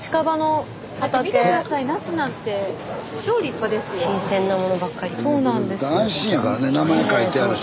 スタジオ安心やからね名前書いてあるし。